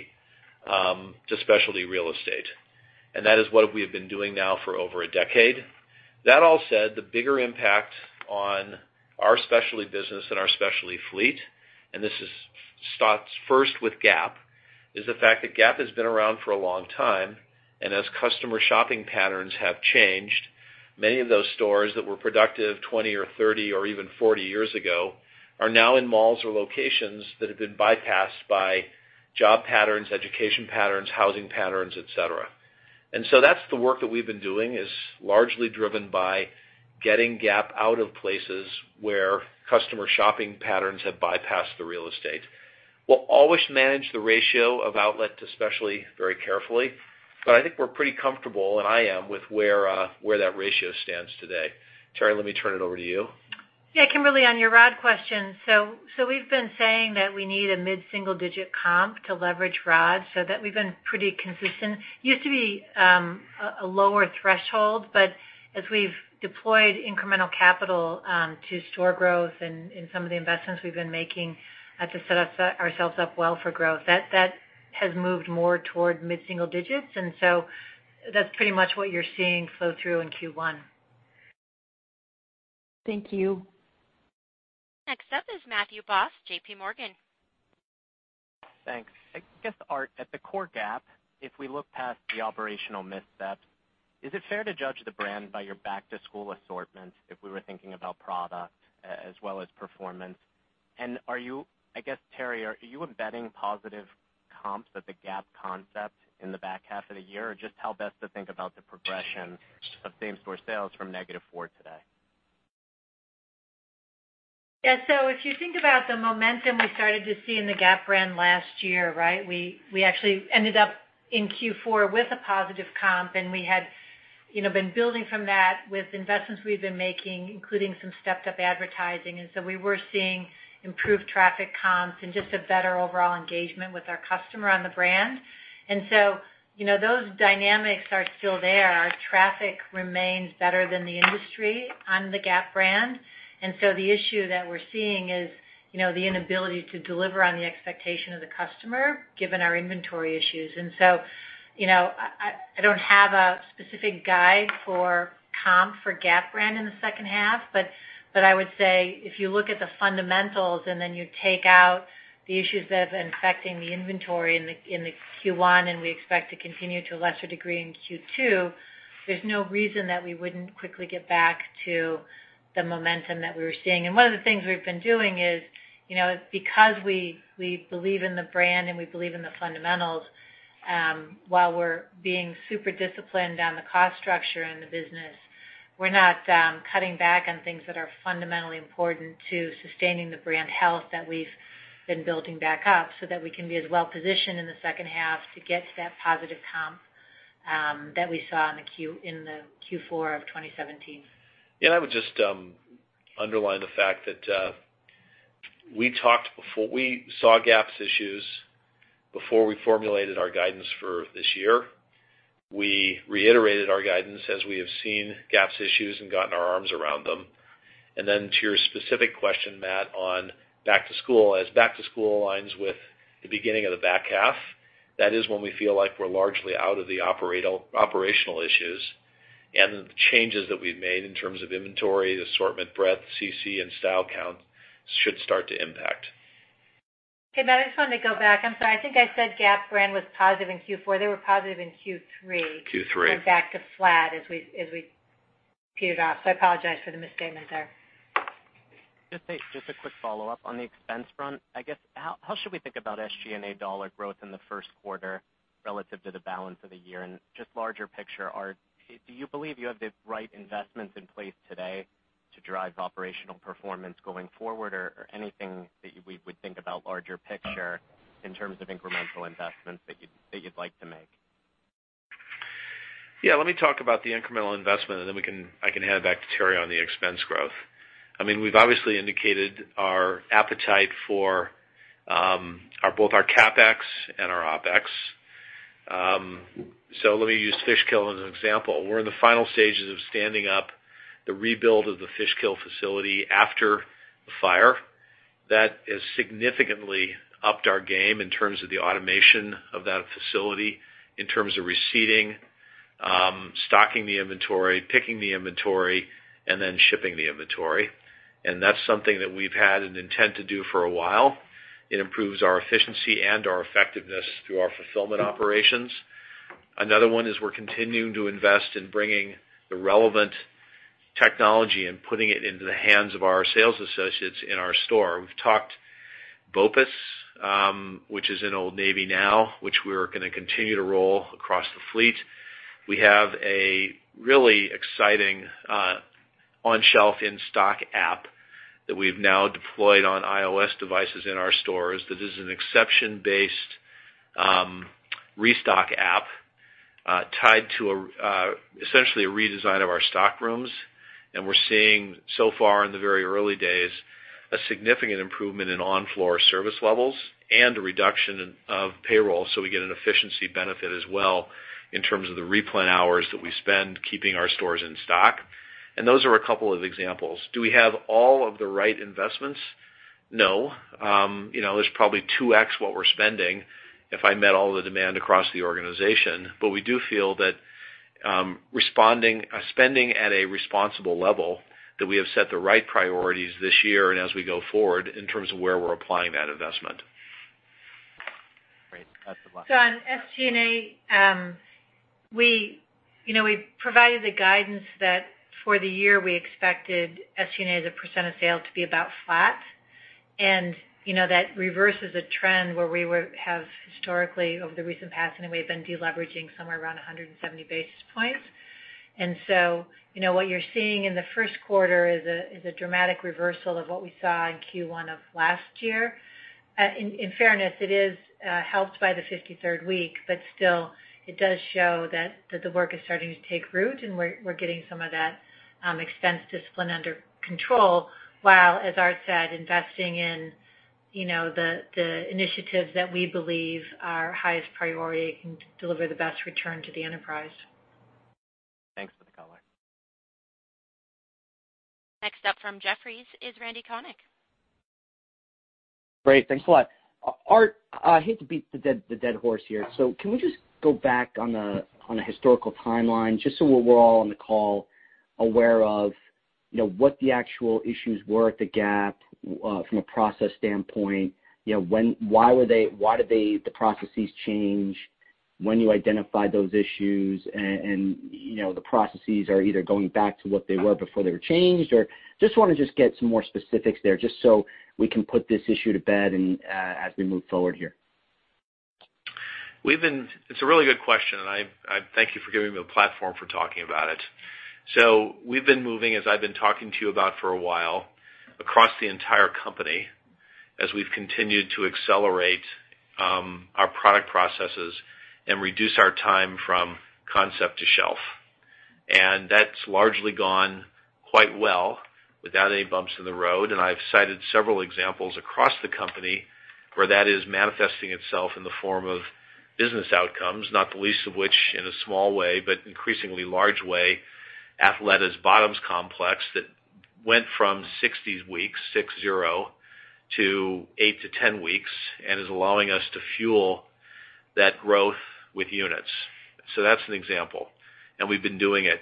real estate. That is what we have been doing now for over a decade. That all said, the bigger impact on our specialty business and our specialty fleet, this starts first with Gap, is the fact that Gap has been around for a long time, and as customer shopping patterns have changed, many of those stores that were productive 20 or 30 or even 40 years ago are now in malls or locations that have been bypassed by job patterns, education patterns, housing patterns, et cetera. That's the work that we've been doing, is largely driven by getting Gap out of places where customer shopping patterns have bypassed the real estate. We'll always manage the ratio of outlet to specialty very carefully, but I think we're pretty comfortable, and I am, with where that ratio stands today. Teri, let me turn it over to you. Yeah, Kimberly, on your ROD question, we've been saying that we need a mid-single-digit comp to leverage ROD, we've been pretty consistent. Used to be a lower threshold, but as we've deployed incremental capital to store growth and in some of the investments we've been making to set ourselves up well for growth, that has moved more toward mid-single digits. That's pretty much what you're seeing flow through in Q1. Thank you. Next up is Matthew Boss, JPMorgan. Thanks. I guess, Art, at the core Gap, if we look past the operational missteps, is it fair to judge the brand by your back-to-school assortment if we were thinking about product as well as performance? I guess, Teri, are you embedding positive comps at the Gap concept in the back half of the year, or just how best to think about the progression of same-store sales from negative four today? Yeah. If you think about the momentum we started to see in the Gap brand last year, right? We actually ended up in Q4 with a positive comp, and we had been building from that with investments we've been making, including some stepped-up advertising. We were seeing improved traffic comps and just a better overall engagement with our customer on the brand. Those dynamics are still there. Our traffic remains better than the industry on the Gap brand. The issue that we're seeing is, the inability to deliver on the expectation of the customer, given our inventory issues. I don't have a specific guide for comp for Gap brand in the second half, but I would say if you look at the fundamentals and then you take out the issues that have been affecting the inventory in the Q1, and we expect to continue to a lesser degree in Q2, there's no reason that we wouldn't quickly get back to the momentum that we were seeing. One of the things we've been doing is, because we believe in the brand and we believe in the fundamentals, while we're being super disciplined on the cost structure in the business, we're not cutting back on things that are fundamentally important to sustaining the brand health that we've been building back up, so that we can be as well positioned in the second half to get to that positive comp that we saw in the Q4 of 2017. Yeah, I would just underline the fact that we saw Gap's issues before we formulated our guidance for this year. We reiterated our guidance as we have seen Gap's issues and gotten our arms around them. To your specific question, Matt, on back to school, as back to school aligns with the beginning of the back half, that is when we feel like we're largely out of the operational issues. The changes that we've made in terms of inventory, the assortment breadth, CC, and style count should start to impact. Okay, Matt, I just wanted to go back. I'm sorry. I think I said Gap brand was positive in Q4. They were positive in Q3. Q3. Went back to flat as we tapered off. I apologize for the misstatement there. Just a quick follow-up on the expense front. I guess, how should we think about SG&A dollar growth in the first quarter relative to the balance of the year? Just larger picture, do you believe you have the right investments in place today to drive operational performance going forward, or anything that we would think about larger picture in terms of incremental investments that you'd like to make? Yeah, let me talk about the incremental investment, and then I can hand it back to Teri on the expense growth. We've obviously indicated our appetite for both our CapEx and our OpEx. Let me use Fishkill as an example. We're in the final stages of standing up the rebuild of the Fishkill facility after the fire. That has significantly upped our game in terms of the automation of that facility, in terms of receiving, stocking the inventory, picking the inventory, and then shipping the inventory. That's something that we've had an intent to do for a while. It improves our efficiency and our effectiveness through our fulfillment operations. Another one is we're continuing to invest in bringing the relevant technology and putting it into the hands of our sales associates in our store. We've talked BOPUS, which is in Old Navy now, which we're gonna continue to roll across the fleet. We have a really exciting on-shelf in-stock app that we've now deployed on iOS devices in our stores. That is an exception-based restock app tied to essentially a redesign of our stock rooms. We're seeing so far in the very early days, a significant improvement in on-floor service levels and a reduction of payroll. We get an efficiency benefit as well in terms of the replan hours that we spend keeping our stores in stock. Those are a couple of examples. Do we have all of the right investments? No. There's probably 2x what we're spending if I met all the demand across the organization. We do feel that spending at a responsible level, that we have set the right priorities this year and as we go forward in terms of where we're applying that investment. Great. Thanks a lot. On SG&A, we provided the guidance that for the year, we expected SG&A as a % of sale to be about flat. That reverses a trend where we have historically over the recent past anyway, been de-leveraging somewhere around 170 basis points. What you're seeing in the first quarter is a dramatic reversal of what we saw in Q1 of last year. In fairness, it is helped by the 53rd week, but still, it does show that the work is starting to take root, and we're getting some of that expense discipline under control, while, as Art said, investing in the initiatives that we believe are highest priority and can deliver the best return to the enterprise. Thanks for the color. Next up from Jefferies is Randal Konik. Great, thanks a lot. Art, I hate to beat the dead horse here. Can we just go back on the historical timeline, just so we're all on the call aware of what the actual issues were at the Gap from a process standpoint? Why did the processes change, when you identified those issues, and the processes are either going back to what they were before they were changed? I just want to just get some more specifics there, just so we can put this issue to bed as we move forward here. It's a really good question, and I thank you for giving me the platform for talking about it. We've been moving, as I've been talking to you about for a while, across the entire company as we've continued to accelerate our product processes and reduce our time from concept to shelf. That's largely gone quite well without any bumps in the road, and I've cited several examples across the company where that is manifesting itself in the form of business outcomes, not the least of which, in a small way, but increasingly large way, Athleta's bottoms complex that went from 60 weeks, six, zero, to eight to 10 weeks and is allowing us to fuel that growth with units. That's an example, and we've been doing it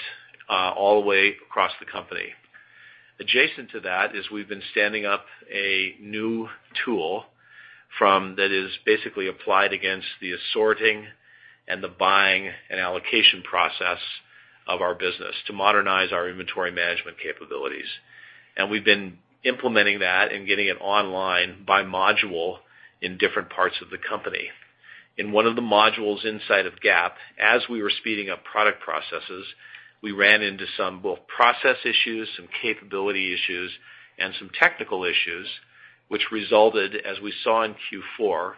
all the way across the company. Adjacent to that is we've been standing up a new tool that is basically applied against the assorting and the buying and allocation process of our business to modernize our inventory management capabilities. We've been implementing that and getting it online by module in different parts of the company. In one of the modules inside of Gap, as we were speeding up product processes, we ran into some both process issues, some capability issues, and some technical issues, which resulted, as we saw in Q4,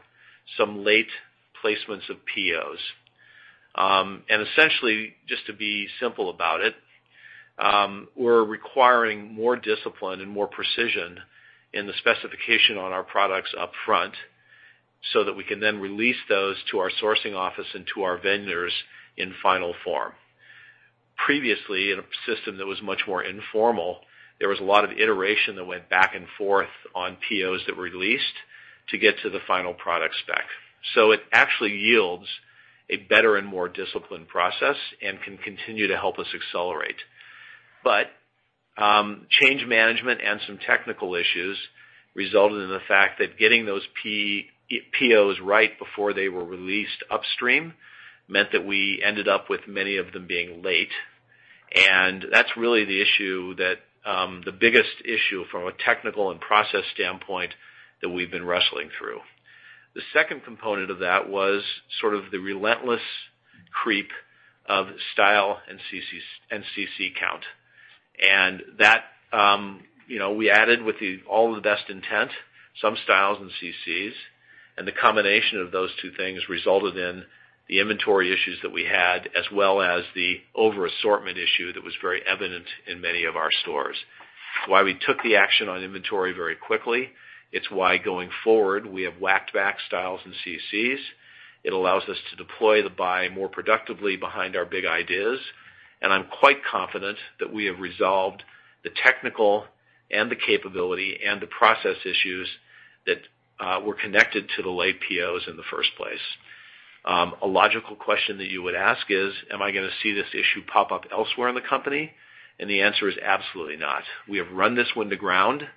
some late placements of POs. Essentially, just to be simple about it, we're requiring more discipline and more precision in the specification on our products up front so that we can then release those to our sourcing office and to our vendors in final form. Previously, in a system that was much more informal, there was a lot of iteration that went back and forth on POs that were released to get to the final product spec. It actually yields a better and more disciplined process and can continue to help us accelerate. Change management and some technical issues resulted in the fact that getting those POs right before they were released upstream meant that we ended up with many of them being late, and that's really the biggest issue from a technical and process standpoint that we've been wrestling through. The second component of that was sort of the relentless creep of style and CC count. That we added with all the best intent, some styles and CCs, and the combination of those two things resulted in the inventory issues that we had, as well as the over-assortment issue that was very evident in many of our stores. It's why we took the action on inventory very quickly. It's why, going forward, we have whacked back styles and CCs. It allows us to deploy the buy more productively behind our big ideas, and I'm quite confident that we have resolved the technical and the capability and the process issues that were connected to the late POs in the first place. A logical question that you would ask is, am I going to see this issue pop up elsewhere in the company? The answer is absolutely not. We have run this one to ground.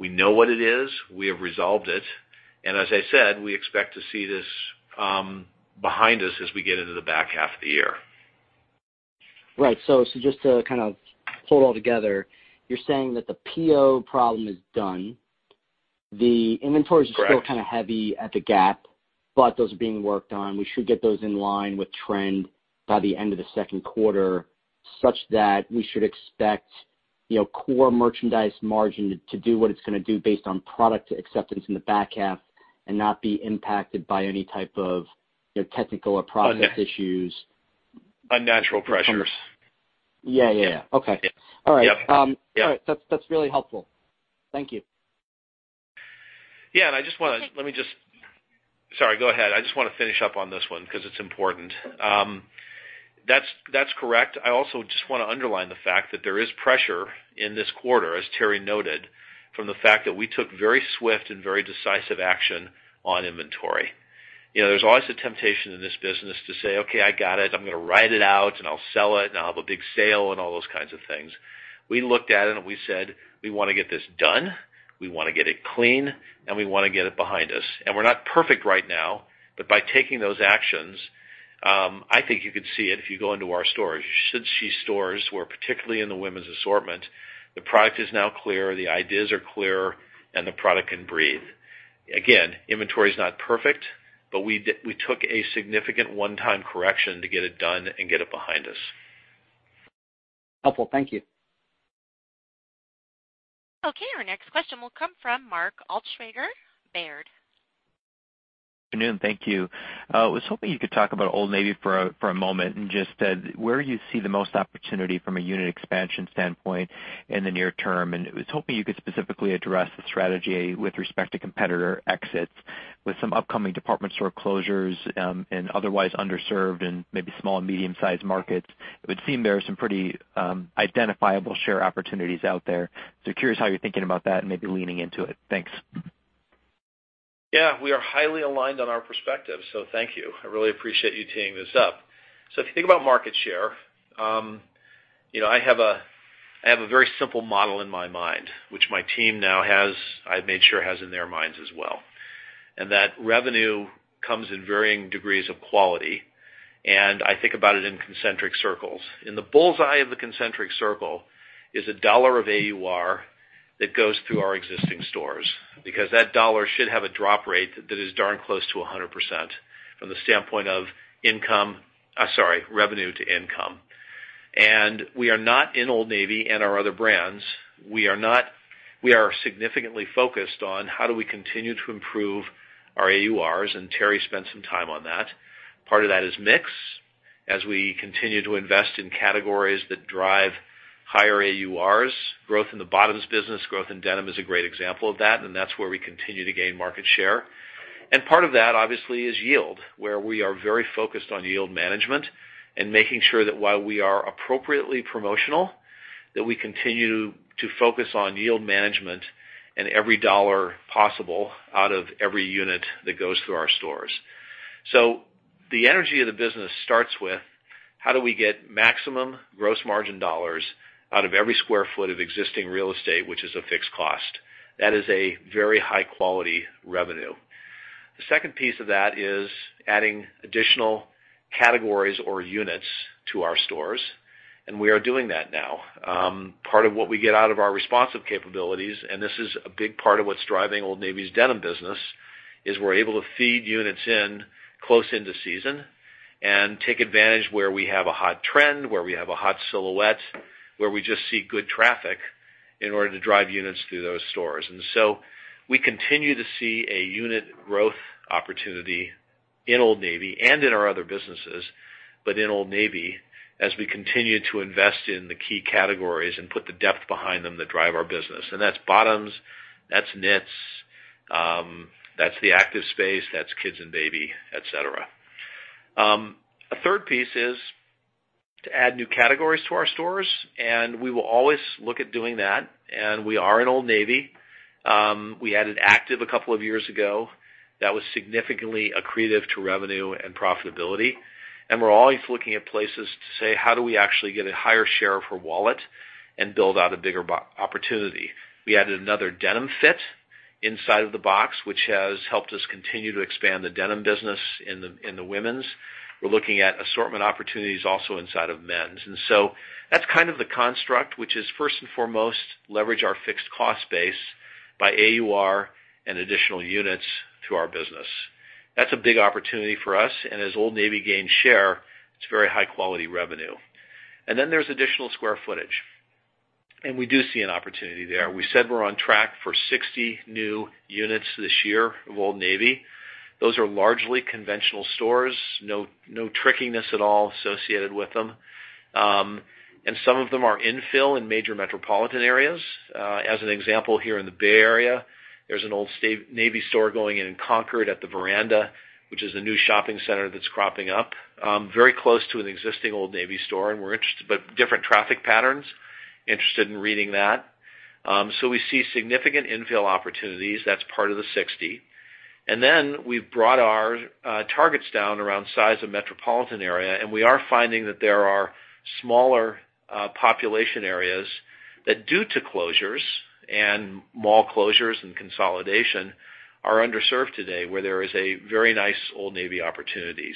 We know what it is. We have resolved it. As I said, we expect to see this behind us as we get into the back half of the year. Right. just to kind of pull it all together, you're saying that the PO problem is done. The inventory. Correct It is still kind of heavy at the Gap, but those are being worked on. We should get those in line with trend by the end of the second quarter, such that we should expect core merchandise margin to do what it's going to do based on product acceptance in the back half and not be impacted by any type of technical or process issues. Unnatural pressures. Yeah. Okay. Yeah. All right. Yeah. All right. That's really helpful. Thank you. Let me just Sorry, go ahead. I just want to finish up on this one because it's important. That's correct. I also just want to underline the fact that there is pressure in this quarter, as Teri noted, from the fact that we took very swift and very decisive action on inventory. There's always the temptation in this business to say, "Okay, I got it. I'm going to ride it out, and I'll sell it, and I'll have a big sale," and all those kinds of things. We looked at it, and we said, "We want to get this done, we want to get it clean, and we want to get it behind us." We're not perfect right now, but by taking those actions, I think you can see it if you go into our stores. You should see stores where, particularly in the women's assortment, the product is now clear, the ideas are clear, and the product can breathe. Again, inventory is not perfect, but we took a significant one-time correction to get it done and get it behind us. Helpful. Thank you. Our next question will come from Mark Altschwager, Baird. Good afternoon. Thank you. I was hoping you could talk about Old Navy for a moment and just where you see the most opportunity from a unit expansion standpoint in the near term, and I was hoping you could specifically address the strategy with respect to competitor exits with some upcoming department store closures, and otherwise underserved and maybe small and medium-sized markets. It would seem there are some pretty identifiable share opportunities out there. Curious how you're thinking about that and maybe leaning into it. Thanks. Yeah. We are highly aligned on our perspective, thank you. I really appreciate you teeing this up. If you think about market share, I have a very simple model in my mind, which my team now I've made sure has in their minds as well, and that revenue comes in varying degrees of quality, and I think about it in concentric circles. In the bull's eye of the concentric circle is a dollar of AUR that goes through our existing stores, because that dollar should have a drop rate that is darn close to 100% from the standpoint of revenue to income. We are not in Old Navy and our other brands. We are significantly focused on how do we continue to improve our AURs, and Teri spent some time on that. Part of that is mix. As we continue to invest in categories that drive higher AURs. Growth in the bottoms business, growth in denim is a great example of that's where we continue to gain market share. Part of that, obviously, is yield, where we are very focused on yield management and making sure that while we are appropriately promotional, that we continue to focus on yield management and every dollar possible out of every unit that goes through our stores. The energy of the business starts with how do we get maximum gross margin dollars out of every square foot of existing real estate, which is a fixed cost. That is a very high-quality revenue. The second piece of that is adding additional categories or units to our stores, and we are doing that now. Part of what we get out of our responsive capabilities, and this is a big part of what's driving Old Navy's denim business, is we're able to feed units in close into season and take advantage where we have a hot trend, where we have a hot silhouette, where we just see good traffic in order to drive units through those stores. We continue to see a unit growth opportunity in Old Navy and in our other businesses, but in Old Navy, as we continue to invest in the key categories and put the depth behind them that drive our business. That's bottoms, that's knits, that's the active space, that's kids and baby, et cetera. A third piece is to add new categories to our stores, and we will always look at doing that, and we are in Old Navy. We added active a couple of years ago. That was significantly accretive to revenue and profitability. We're always looking at places to say, "How do we actually get a higher share of her wallet and build out a bigger opportunity?" We added another denim fit inside of the box, which has helped us continue to expand the denim business in the women's. We're looking at assortment opportunities also inside of men's. That's kind of the construct, which is first and foremost, leverage our fixed cost base by AUR and additional units to our business. That's a big opportunity for us, and as Old Navy gains share, it's very high-quality revenue. Then there's additional square footage. We do see an opportunity there. We said we're on track for 60 new units this year of Old Navy. Those are largely conventional stores, no trickiness at all associated with them. Some of them are infill in major metropolitan areas. As an example, here in the Bay Area, there's an Old Navy store going in Concord at The Veranda, which is a new shopping center that's cropping up. Very close to an existing Old Navy store, but different traffic patterns, interested in reading that. We see significant infill opportunities. That's part of the 60. Then we've brought our targets down around size of metropolitan area, and we are finding that there are smaller population areas that, due to closures and mall closures and consolidation, are underserved today, where there is a very nice Old Navy opportunity.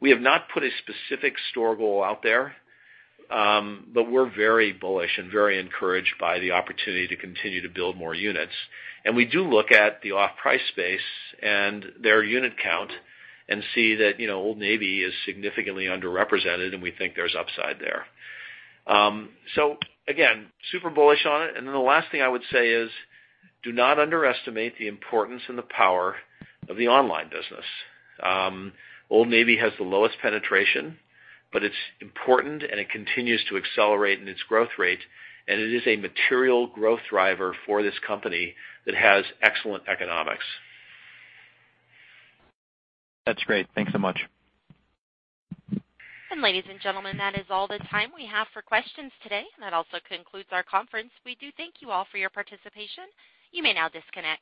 We have not put a specific store goal out there. We're very bullish and very encouraged by the opportunity to continue to build more units. We do look at the off-price space and their unit count and see that Old Navy is significantly underrepresented, and we think there's upside there. Again, super bullish on it. The last thing I would say is do not underestimate the importance and the power of the online business. Old Navy has the lowest penetration, but it's important, and it continues to accelerate in its growth rate, and it is a material growth driver for this company that has excellent economics. That's great. Thanks so much. Ladies and gentlemen, that is all the time we have for questions today. That also concludes our conference. We do thank you all for your participation. You may now disconnect.